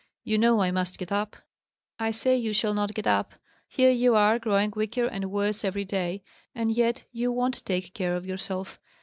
"You know I must get up." "I say you shall not get up. Here you are, growing weaker and worse every day, and yet you won't take care of yourself!